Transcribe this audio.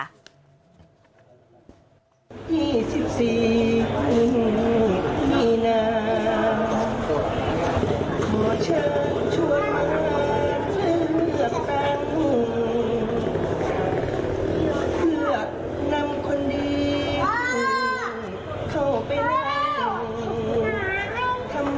เหลือกนำคนดีคุณเข้าไปหน้าคุณ